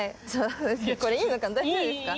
これいいのかな大丈夫ですか？